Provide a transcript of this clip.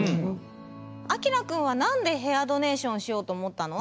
あきらくんはなんでヘアドネーションしようとおもったの？